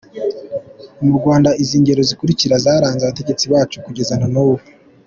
Mu Rwanda izi ngero zikulikira zaranze abategetsi bacu kugeza na nubu.